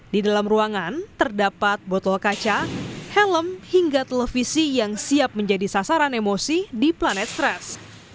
di dalam ruangan terdapat botol kaca helm hingga televisi yang siap menjadi sasaran emosi di planet stres